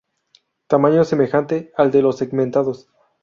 Tamaño semejante al de los segmentados.